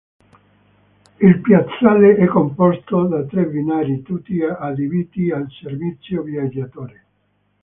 Il piazzale è composto da tre binari, tutti adibiti al servizio viaggiatori.